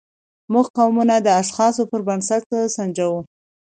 موږ قومونه د اشخاصو پر بنسټ سنجوو.